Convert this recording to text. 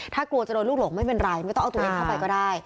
ถ้ากลัวจะโดนลูกหลงไม่เป็นไรไม่ต้องเอาตัวเองเข้าไปก็ได้